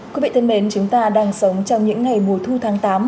quý vị thân mến chúng ta đang sống trong những ngày mùa thu tháng tám